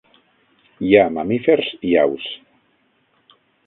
Hi ha mamífers i aus.